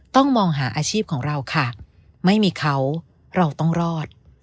ต้องมองหาอาชีพของเราค่ะไม่มีเขาเราต้องรอด